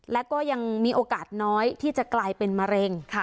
และก็ยังมีโอกาสน้อยที่จะกลายเป็นมะเร็ง